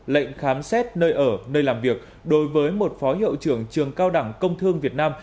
lệnh khám xét nơi ở nơi làm việc đối với một phó hiệu trưởng trường cao đẳng công thương việt nam